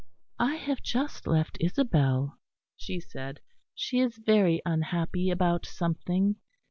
"I have just left Isabel," she said, "she is very unhappy about something.